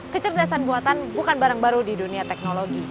kecerdasan buatan bukan barang baru di dunia teknologi